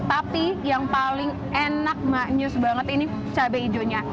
tapi yang paling enak maknyus banget ini cabai hijaunya